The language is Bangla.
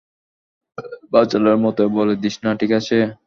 বাচালের মতো বলে দিস না, ঠিক আছে?